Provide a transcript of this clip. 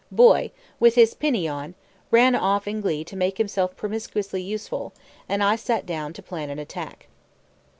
Boy, with his "pinny" on, ran off in glee to make himself promiscuously useful, and I sat down to plan an attack.